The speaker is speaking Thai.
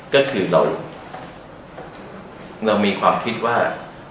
ก็คือเรามีความคิดว่า